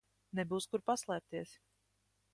Nebūs kur paslēpties.